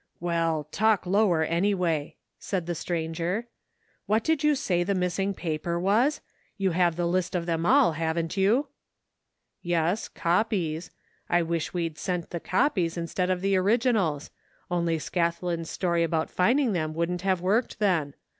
Well, talk lower anyway," said the stranger. What did you say the other missing paper was ? You have the list of them all, haven't you? '*" Yes, copies. I wish we'd sent the copies instead of the originals, only Scathlin's story about finding them wouldn't have worked then.